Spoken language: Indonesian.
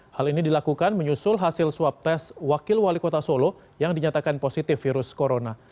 hal ini dilakukan menyusul hasil swab tes wakil wali kota solo yang dinyatakan positif virus corona